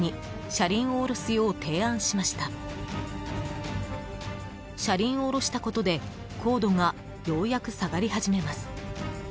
車輪を下ろしたことで高度がようやく下がり始めます。